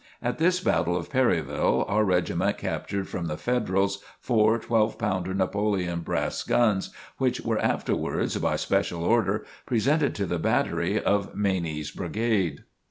At this battle of Perryville our regiment captured from the Federals four twelve pounder Napoleon brass guns, which were afterwards, by special order, presented to the battery of Maney's Brigade.